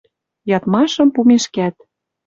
Ядмашым пумешкӓт